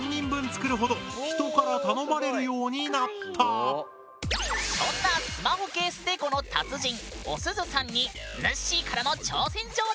多い時はそんなスマホケースデコの達人おすずさんにぬっしーからの挑戦状だ！